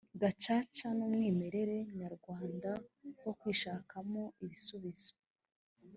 gacaca ni umwimerere nyarwanda wo kwishakamo ibisubizo